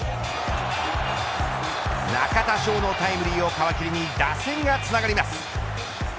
中田翔のタイムリーを皮切りに打線がつながります。